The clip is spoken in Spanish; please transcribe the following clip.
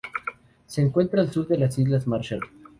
Se encuentra al sur de las Islas Marshall.